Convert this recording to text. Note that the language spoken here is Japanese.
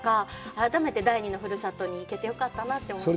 改めて第２のふるさとに行けてよかったなと思いました。